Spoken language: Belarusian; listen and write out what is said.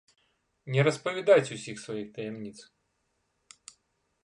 Не распавядаць усіх сваіх таямніц.